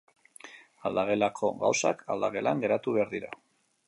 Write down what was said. Aldagelako gauzak, aldagelan geratu behar dira.